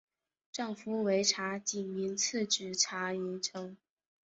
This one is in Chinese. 丈夫为查济民次子查懋成。